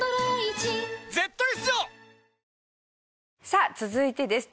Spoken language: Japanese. さあ続いてです。